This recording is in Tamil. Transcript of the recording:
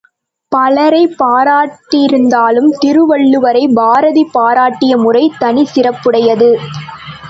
பலரைப் பாராட்டியிருந்தாலும் திருவள்ளுவரைப் பாரதி பாராட்டிய முறை தனிச்சிறப்புடையது.